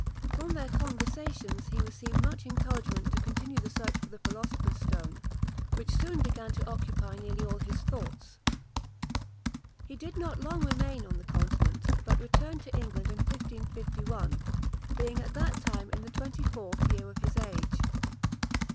From their conversation he received much encouragement to continue the search for the philosopher's stone, which soon began to occupy nearly all his thoughts. [Illustration: DR. DEE.] He did not long remain on the Continent, but returned to England in 1551, being at that time in the twenty fourth year of his age.